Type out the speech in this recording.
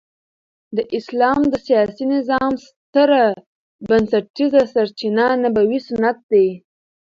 د اسلام د سیاسي نظام ستره بنسټيزه سرچینه نبوي سنت دي.